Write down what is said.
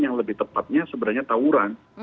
yang lebih tepatnya sebenarnya tawuran